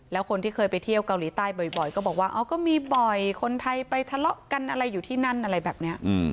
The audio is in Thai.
แล้วคนที่เคยไปเที่ยวเกาหลีใต้บ่อยก็บอกว่าก็มีบ่อยคนไทยไปทะเลาะกันอะไรอยู่ที่นั่นอะไรแบบนี้